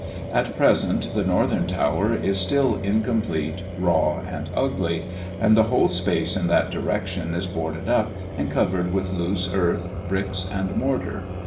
At present the northern tower is still incomplete, raw, and ugly, and the whole space in that direction is boarded up, and covered with loose earth, bricks, and mortar.